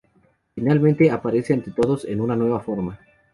Finalmente aparece ante todos en una nueva forma.